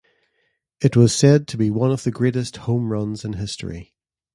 It was said to be one of the greatest home runs in history.